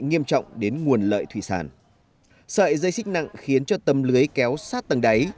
nghiêm trọng đến nguồn lợi thủy sản sợi dây xích nặng khiến cho tầm lưới kéo sát tầng đáy